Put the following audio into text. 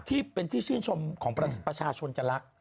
ที่เป็นที่ชื่นชมของประชาชนจะรัก